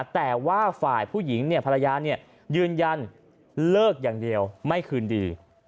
แต่ว่าฝ่ายผู้หญิงภรรยายืนยันเลิกอย่างเดียวไม่คืนดี